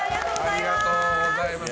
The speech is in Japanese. ありがとうございます。